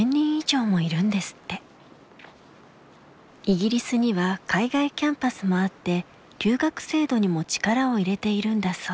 イギリスには海外キャンパスもあって留学制度にも力を入れているんだそう。